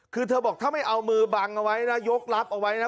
คือเธอบอกถ้าไม่เอามือบังเอาไว้นะยกรับเอาไว้นะ